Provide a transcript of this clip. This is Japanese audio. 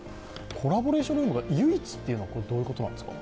コラボレーションルームが唯一というのは、どういうことですか？